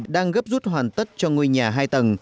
đang gấp rút hoàn tất cho ngôi nhà hai tầng